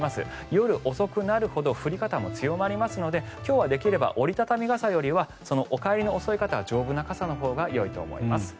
夜遅くなるほど降り方も強まりますので今日はできれば折り畳み傘よりはお帰りの遅い方は丈夫な傘のほうがよいと思います。